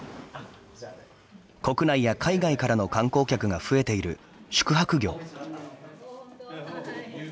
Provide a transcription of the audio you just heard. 国内や海外からの観光客が増えている宿泊業。